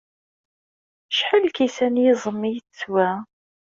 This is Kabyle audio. Acḥal n lkisan n yiẓem ay teswa?